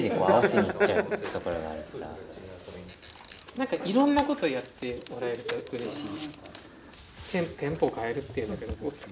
なんかいろんなことやってもらえるとうれしい。